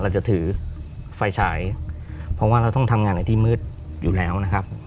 เราจะถือไฟฉายเพราะว่าเราต้องทำงานในที่มืดอยู่แล้วนะครับ